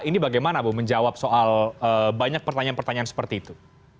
ini bagaimana bu menjawab soal banyak pertanyaan pertanyaan seperti itu